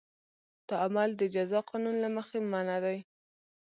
دا عمل د جزا قانون له مخې منع دی.